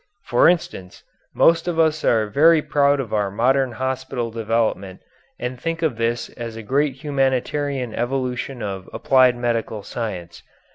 For instance, most of us are very proud of our modern hospital development and think of this as a great humanitarian evolution of applied medical science.